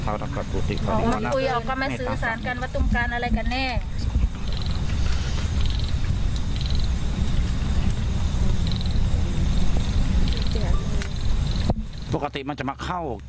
แต่ถ้าวันปกติกระน้องก็จะไม่มีอาการ